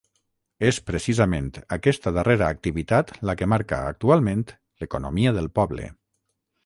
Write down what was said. És, precisament, aquesta darrera activitat la que marca, actualment, l'economia del poble.